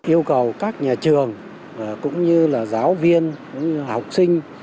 yêu cầu các nhà trường cũng như là giáo viên học sinh